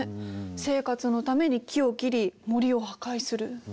生活のために木を切り森を破壊する。